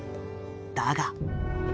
だが。